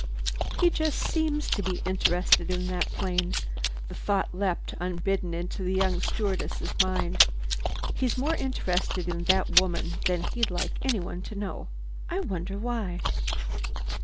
"He just seems to be interested in that plane." The thought leapt unbidden into the young stewardess' mind. "He's more interested in that woman than he'd like anyone to know. I wonder why?"